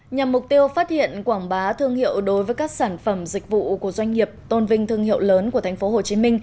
nhằm mục tiêu phát hiện quảng bá thương hiệu đối với các sản phẩm dịch vụ của doanh nghiệp tôn vinh thương hiệu lớn của tp hcm